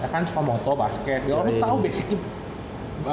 ya kan suka motobasket